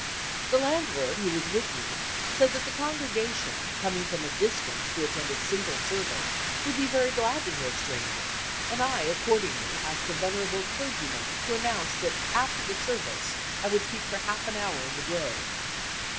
The landlord who was with me said that the congregation, coming from a distance to attend a single service, would be very glad to hear a stranger and I accordingly asked the venerable clergyman to announce that after service I would speak for half an hour in the grove.